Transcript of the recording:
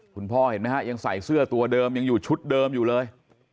คุณพ่อเห็นไหมฮะยังใส่เสื้อตัวเดิมยังอยู่ชุดเดิมอยู่เลย